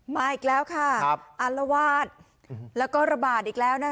มาอีกแล้วค่ะอารวาสแล้วก็ระบาดอีกแล้วนะคะ